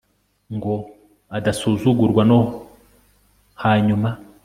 ngo adasuzugurwa no hanyuma